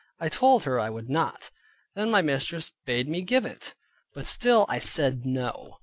I told her I would not. Then my mistress bade me give it, but still I said no.